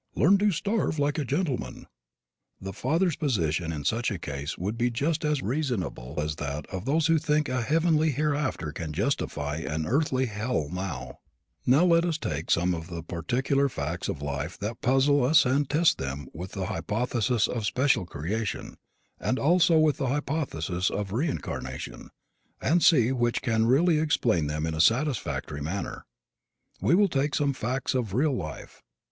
Learn to starve like a gentleman!" The father's position in such a case would be just as reasonable as that of those who think a heaven hereafter can justify an earthly hell now. Now let us take some of the particular facts of life that puzzle us and test them with the hypothesis of special creation, and also with the hypothesis of reincarnation, and see which can really explain them in a satisfactory manner. We will take some facts of real life.